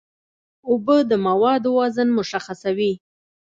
اوبه د موادو وزن مشخصوي.